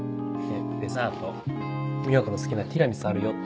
デザート美和子の好きなティラミスあるよって。